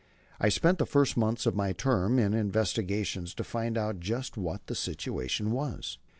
I spent the first months of my term in investigations to find out just what the situation was.